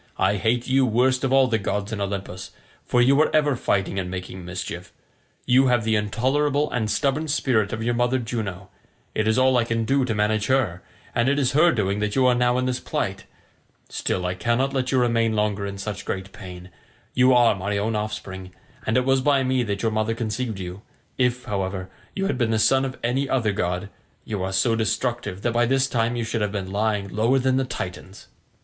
I hate you worst of all the gods in Olympus, for you are ever fighting and making mischief. You have the intolerable and stubborn spirit of your mother Juno: it is all I can do to manage her, and it is her doing that you are now in this plight: still, I cannot let you remain longer in such great pain; you are my own offspring, and it was by me that your mother conceived you; if, however, you had been the son of any other god, you are so destructive that by this time you should have been lying lower than the Titans."